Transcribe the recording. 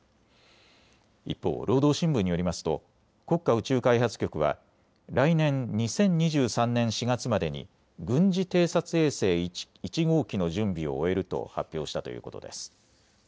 一方、労働新聞によりますと国家宇宙開発局は来年２０２３年４月までに軍事偵察衛星１号機の準備を終えると発表したということです。